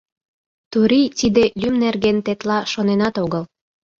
Турий тиде лӱм нерген тетла шоненат огыл.